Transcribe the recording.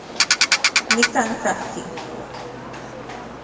Nikan kajki.